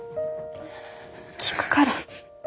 聞くから。